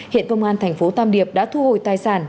hiện công an thành phố tam điệp đã thu hồi tài sản